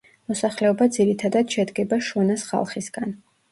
მოსახლეობა ძირითადად შედგება შონას ხალხისგან.